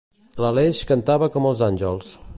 L'Aleix cantava com els àngels.